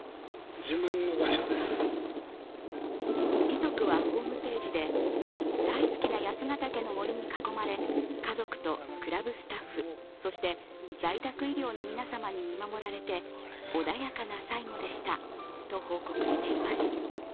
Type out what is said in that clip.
遺族はホームページで大好きな八ヶ岳の森に囲まれ、家族と倶楽部スタッフ、そして在宅医療の皆様に見守られて穏やかな最期でしたと報告しています。